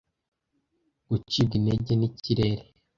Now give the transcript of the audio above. gucibwa intege nikirere